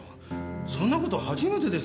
そんな事初めてですよ。